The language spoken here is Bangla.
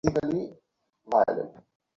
না আমি আসছি না।